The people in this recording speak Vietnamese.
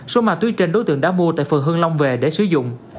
số ma túy trên đối tượng đã mua tại phường hương long về để sử dụng